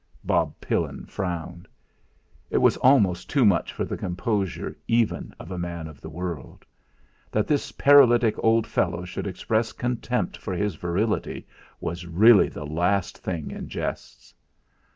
Bob Pillin frowned. It was almost too much for the composure even of a man of the world. That this paralytic old fellow should express contempt for his virility was really the last thing in jests.